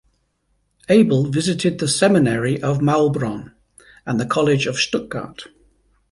Abel visited the seminary of Maulbronn and the college of Stuttgart.